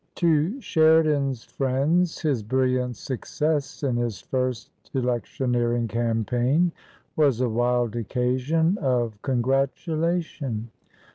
To Sheridan's friends his brilliant success in his first electioneering campaign was a wild occasion of con gratulation.